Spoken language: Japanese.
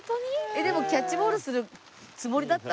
えっでもキャッチボールするつもりだった？